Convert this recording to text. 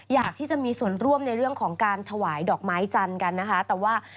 อยากที่จะมีส่วนร่วมในเรื่องของการถวายดอกไม้จันทร์กันนะคะแต่ว่า